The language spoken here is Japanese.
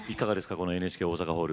このＮＨＫ大阪ホール。